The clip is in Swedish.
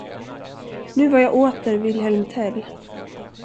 Nu var jag åter Wilhelm Tell.